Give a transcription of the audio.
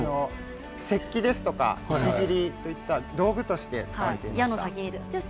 石器ですとか石じりといった道具として使っています。